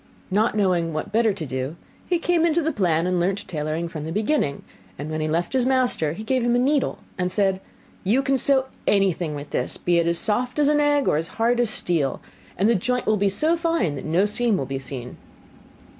Not knowing what better to do, he came into the plan, and learnt tailoring from the beginning; and when he left his master, he gave him a needle, and said, 'You can sew anything with this, be it as soft as an egg or as hard as steel; and the joint will be so fine that no seam will be seen.